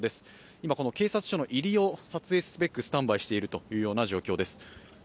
今、警察署の入りを撮影すべくスタンバイしている状況です。